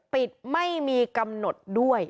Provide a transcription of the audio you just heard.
ไม่มีกำหนดด้วย